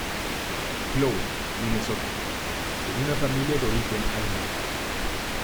Cloud, Minnesota, en una familia de origen alemán.